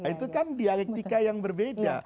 itu kan dialektika yang berbeda